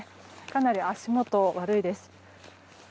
かなり足元、悪いです。